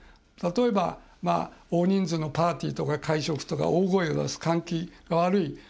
例えば、大人数のパーティーとか会食とか大声を出す、換気が悪い。